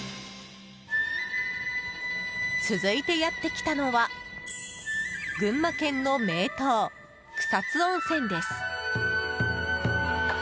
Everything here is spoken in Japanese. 続いてやってきたのは群馬県の名湯、草津温泉です。